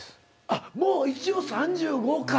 あっもう一応３５か。